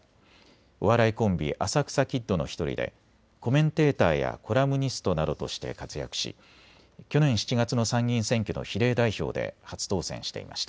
お笑いコンビ、浅草キッドの１人でコメンテーターやコラムニストなどとして活躍し去年７月の参議院選挙の比例代表で初当選していました。